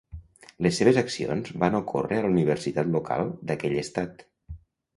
Les seves accions van ocórrer a la universitat local d'aquell estat.